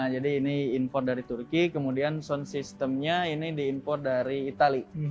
jadi ini import dari turki kemudian sound systemnya ini diimpor dari itali